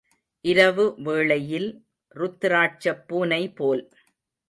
இரவு வேளையில் ருத்திராட்சப் பூனை போல்.